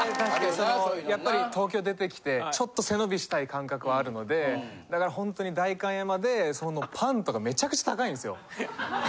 やっぱり東京出てきてちょっと背伸びしたい感覚はあるのでだからほんとに代官山でそのパンとかめちゃくちゃ高いんですよ。